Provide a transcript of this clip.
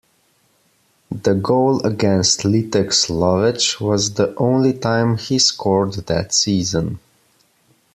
The goal against Litex Lovech was the only time he scored that season.